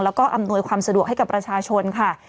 แล้วก็อำนวยความสะดวกให้กับประชาชนค่ะ